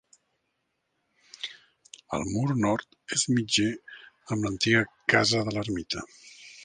El mur nord és mitger amb l'antiga casa de l'ermita.